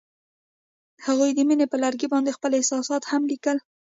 هغوی د مینه پر لرګي باندې خپل احساسات هم لیکل.